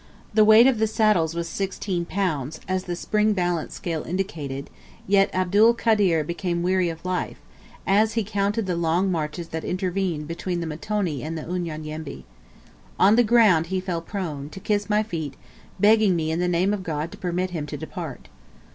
The weight of the saddles was 16 lbs., as the spring balance scale indicated, yet Abdul Kader became weary of life, as, he counted the long marches that intervened between the mtoni and Unyanyembe. On the ground he fell prone, to kiss my feet, begging me in the name of God to permit him to depart.